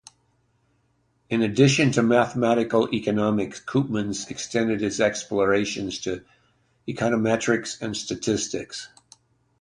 In addition to mathematical economics, Koopmans extended his explorations to econometrics and statistics.